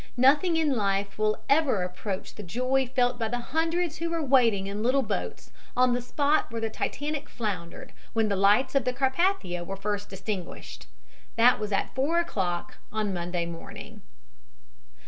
Nothing in life will ever approach the joy felt by the hundreds who were waiting in little boats on the spot where the Titanic foundered when the lights of the Carpathia were first distinguished. That was at 4 o'clock on Monday morning.